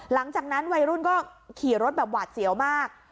หลังจากนั้นวัยรุ่นก็ขี่รถแบบหวาดเสียวมาก